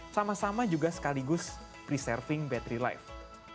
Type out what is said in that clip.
sama sama juga sekaligus preserving battery life